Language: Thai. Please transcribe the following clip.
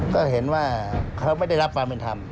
ก็เห็นว่าเขาไม่ได้รับความเป็นธรรม